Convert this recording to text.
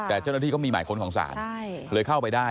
แต่เจ้าหน้าที่ก็มีหมายค้นของศาลเลยเข้าไปได้